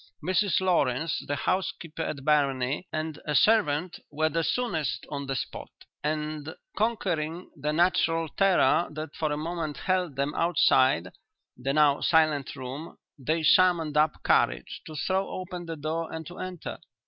Mrs Lawrence, the housekeeper at Barony, and a servant were the soonest on the spot, and, conquering the natural terror that for a moment held them outside the now silent room, they summoned up courage to throw open the door and to enter.